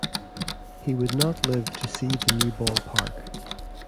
He would not live to see the new ballpark.